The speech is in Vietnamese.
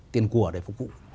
tiền của để phục vụ